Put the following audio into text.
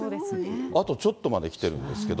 あとちょっとまで来てるんですけど。